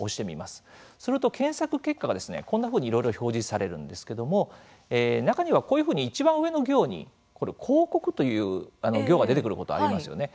すると、検索結果がこんなふうにいろいろ表示されるんですけども中には、こういうふうにいちばん上の行に広告という行が出てくることありますよね。